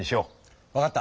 わかった。